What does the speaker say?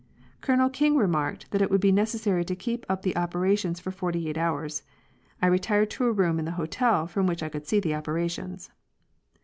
Colonel King remarked that it would be necessary to keep up the operations for forty eight hours. I retired to a room in the hotel, from which I could see the operations.